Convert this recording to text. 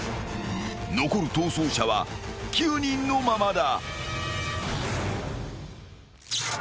［残る逃走者は９人のままだ］